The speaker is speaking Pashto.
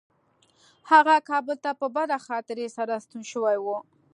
هغه کابل ته په بده خاطرې سره ستون شوی و.